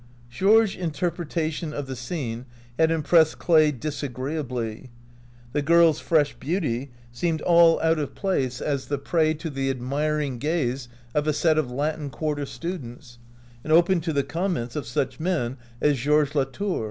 Georges' interpretation of the scene had impressed Clay disagreeably. The girl's fresh beauty seemed all out of place as the OUT OF BOHEMIA prey to the admiring gaze of a set of Latin Quarter students, and open to the comments of such men as Georges Latour.